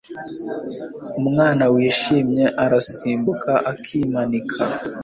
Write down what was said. umwana wishimye arasimbuka akimanika